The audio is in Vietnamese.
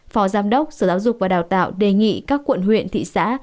phó giám đốc sở giáo dục và đào tạo đề nghị các quận huyện thị xã